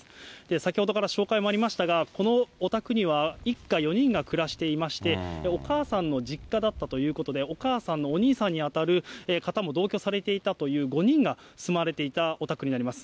先ほどから紹介もありましたが、このお宅には一家４人が暮らしていまして、お母さんの実家だったということで、お母さんのお兄さんに当たる方も同居されていたという５人が住まわれていたお宅になります。